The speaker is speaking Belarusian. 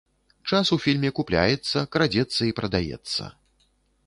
Час у фільме купляецца, крадзецца і прадаецца.